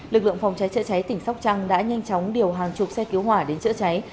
lực lượng phòng cháy chữa cháy tỉnh sóc trăng đã nhanh chóng điều hàng chục xe cứu hỏa đến chữa cháy